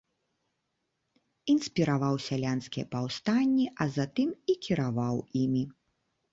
Інспіраваў сялянскія паўстанні, а затым і кіраваў імі.